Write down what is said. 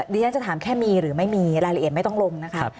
ดิฉันจะถามแค่มีหรือไม่มีรายละเอียดไม่ต้องลงนะคะ